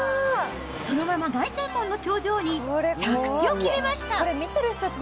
そのまま凱旋門の頂上に着地を決めました。